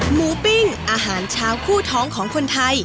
ปิ้งอาหารเช้าคู่ท้องของคนไทย